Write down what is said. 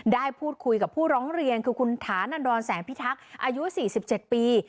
ได้พูดคุยกับผู้ร้องเรียนคือคุณฐานันดรแสงพิทักษ์อายุ๔๗ปี